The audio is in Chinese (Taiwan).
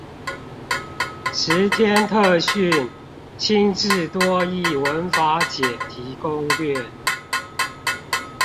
十天特訓！新制多益文法解題攻略